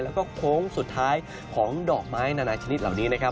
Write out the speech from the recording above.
แล้วก็โค้งสุดท้ายของดอกไม้นานาชนิดเหล่านี้นะครับ